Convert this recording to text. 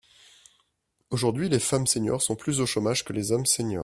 Aujourd’hui, les femmes seniors sont plus au chômage que les hommes seniors.